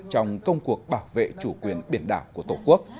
trong công cuộc bảo vệ chủ quyền biển đảo của tổ quốc